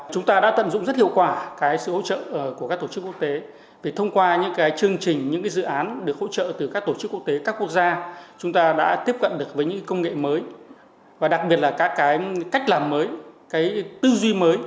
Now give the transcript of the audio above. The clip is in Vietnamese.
chúng ta đã tận dụng rất hiệu quả cái sự hỗ trợ của các tổ chức quốc tế vì thông qua những cái chương trình những dự án được hỗ trợ từ các tổ chức quốc tế các quốc gia chúng ta đã tiếp cận được với những công nghệ mới và đặc biệt là các cái cách làm mới cái tư duy mới